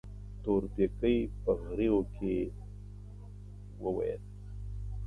تورپيکۍ په غريو کې وويل.